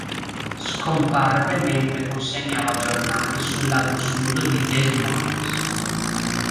Scomparve mentre consegnava giornali sul lato sud di Des Moines.